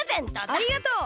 ありがとう。